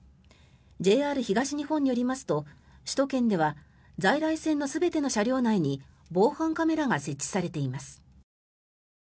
ＪＲ東日本によりますと首都圏では在来線の全ての車両内に防犯カメラが設置されています。